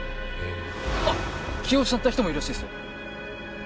気を失った人もいるらしいですよ。